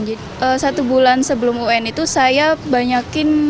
jadi satu bulan sebelum un itu saya banyakin